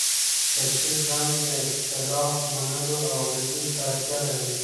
سیاسي زغم د اختلاف منلو او اورېدو ته اړتیا لري